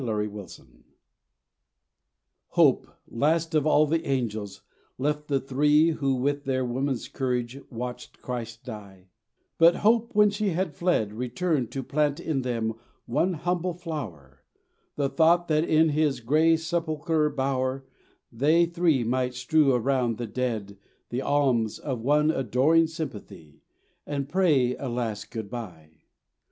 XLV RESURRECTION HOPE, last of all the angels, left the three Who with their woman's courage watched Christ die; But Hope, when she had fled, Returned to plant in them one humble flower, The thought that in His grey sepulchral bower They three might strew around the Dead The alms of one adoring sympathy, And pray a last good bye.